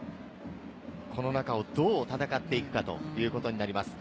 この中をどう戦っていくかということになります。